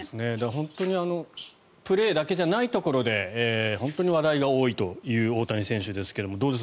本当にプレーだけじゃないところで本当に話題が多いという大谷選手ですがどうです？